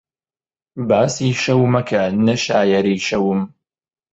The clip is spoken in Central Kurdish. باسی شەو مەکە نە شایەری شەوم